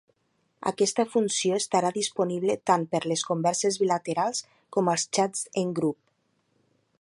Aquesta funció estarà disponible tant per les converses bilaterals com als xats en grup.